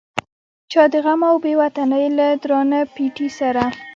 چا د غم او بې وطنۍ له درانه پیټي سره.